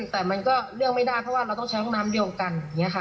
แต่มันก็เลือกไม่ได้เพราะว่าเราต้องใช้ห้องน้ำเดียวกัน